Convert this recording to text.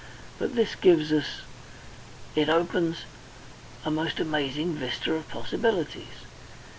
But this gives us it opens a most amazing vista of possibilities.